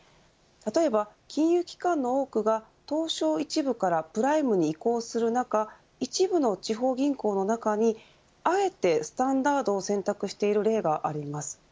例えば金融機関の多くが東証１部からプライムに移行する中一部の地方銀行の中にあえてスタンダードを選択している例があります。